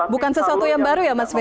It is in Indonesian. bukan sesuatu yang baru ya mas wil